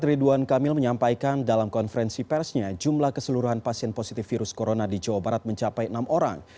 ridwan kamil menyampaikan dalam konferensi persnya jumlah keseluruhan pasien positif virus corona di jawa barat mencapai enam orang